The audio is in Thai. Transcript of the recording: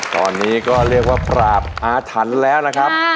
ตอนนี้ก็เรียกว่าปราบอาถรรพ์แล้วนะครับ